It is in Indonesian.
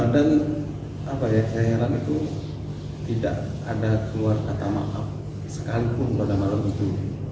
dan saya heran itu tidak ada keluar kata maaf sekalipun pada malam itu